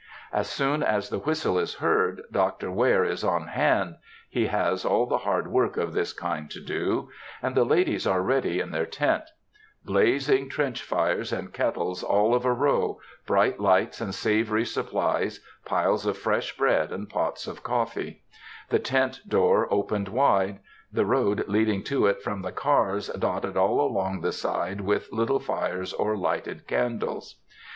As soon as the whistle is heard, Dr. Ware is on hand, (he has all the hard work of this kind to do,) and the ladies are ready in their tent; blazing trench fires, and kettles all of a row, bright lights and savory supplies, piles of fresh bread and pots of coffee,—the tent door opened wide,—the road leading to it from the cars dotted all along the side with little fires or lighted candles.